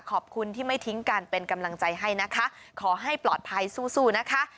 ขอบคุณที่ไม่ทิ้งกันเป็นกำลังใจให้นะคะขอให้ปลอดภัยสู้นะคะ